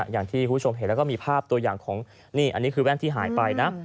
อย่างที่คุณผู้ชมเห็นแล้วก็มีภาพตัวอย่างของนี่อันนี้คือแว่นที่หายไปนะ